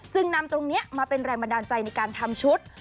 นำตรงนี้มาเป็นแรงบันดาลใจในการทำชุด